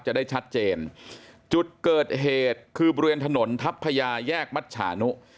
จะได้ชัดเจนจุดเกิดเหตุคือบริเวณถนนทัพพญาแยกมัชชานุ